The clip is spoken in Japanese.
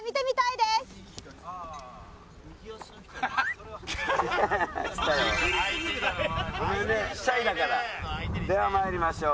では参りましょう。